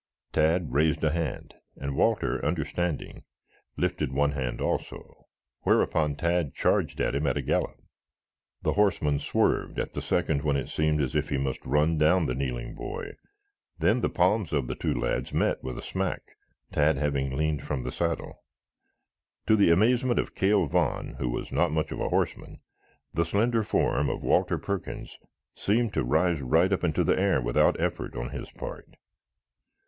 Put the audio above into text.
Tad raised a hand and Walter, understanding, lifted one hand also, whereupon Tad charged him at a gallop. The horseman swerved at the second when it seemed as if he must run down the kneeling boy, then the palms of the two lads met with a smack, Tad having leaned from the saddle. To the amazement of Cal Vaughn, who was not much of a horseman, the slender form of Walter Perkins seemed to rise right up into the air without effort on his part.